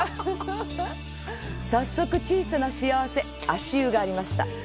早速、小さな幸せ、足湯がありました。